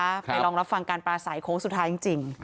ไปลองรับฟังการปลาใสโค้งสุดท้ายจริง